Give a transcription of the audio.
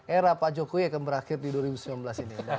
era pak jokowi akan berakhir di dua ribu sembilan belas ini